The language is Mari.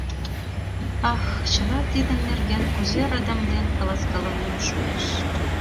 — Ах, чыла тидын нерген кузе радамлен каласкалымем шуэш!